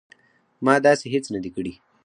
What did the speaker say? ما داسې هیڅ نه دي کړي